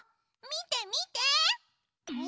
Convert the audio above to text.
みてみて！